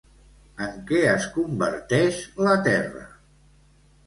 En què es converteix la terra?